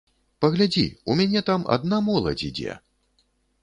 Паглядзі, у мяне там адна моладзь ідзе.